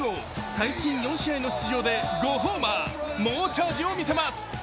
最近４試合の出場で５ホーマー、猛チャージを見せます。